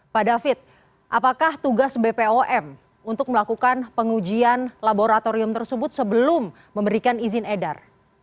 pak david apakah tugas bpom untuk melakukan pengujian laboratorium tersebut sebelum memberikan izin edar